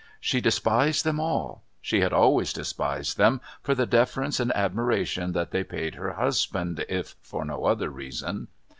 She despised them all; she had always despised them, for the deference and admiration that they paid her husband if for no other reason.